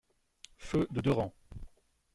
Feu de deux rangs!